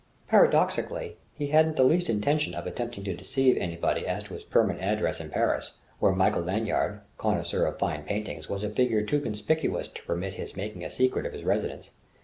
Paradoxically, he hadn't the least intention of attempting to deceive anybody as to his permanent address in Paris, where Michael Lanyard, connoisseur of fine paintings, was a figure too conspicuous to permit his making a secret of his residence.